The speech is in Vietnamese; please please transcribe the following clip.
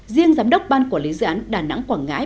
riêng giám đốc ban quản lý dự án đà nẵng quảng ngãi